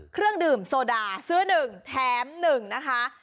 เครื่องดื่มโซดาซื้อ๑แถม๑นะคะ